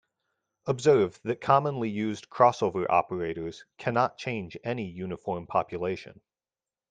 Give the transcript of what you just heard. Observe that commonly used crossover operators cannot change any uniform population.